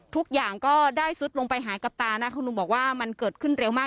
ทุกอย่างก็ได้ซุดลงไปหายกับตานะคุณหนุ่มบอกว่ามันเกิดขึ้นเร็วมาก